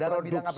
dalam bidang apa